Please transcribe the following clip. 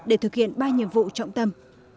để thực hiện ba nhiệm vụ trọng tâm